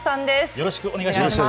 よろしくお願いします。